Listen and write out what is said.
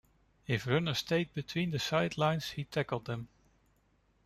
If runners stayed between the sidelines, he tackled them.